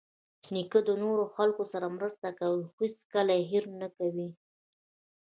نیکه د نورو خلکو سره مرسته کوي، خو هیڅکله یې هېر نه کوي.